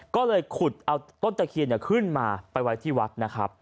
ก็เลยขุดเอาต้นตะเคียนขึ้นมาไปไว้ที่วัดนะครับ